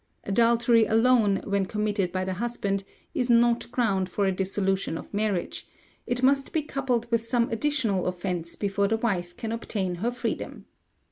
Adultery alone, when committed by the husband, is not ground for a dissolution of marriage; it must be coupled with some additional offence before the wife can obtain her freedom.